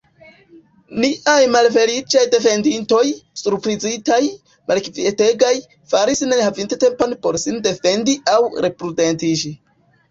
Niaj malfeliĉaj defendintoj, surprizitaj, malkvietegaj, falis ne havinte tempon por sin defendi aŭ reprudentiĝi.